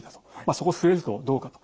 そこ触れるとどうかと。